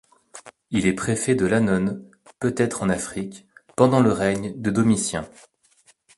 Il est préfet de l'annone, peut-être en Afrique, pendant le règne de Domitien.